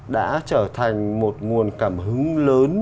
đã trở thành một nguồn cảm hứng lớn